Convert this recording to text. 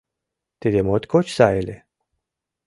— Тиде моткоч сай ыле.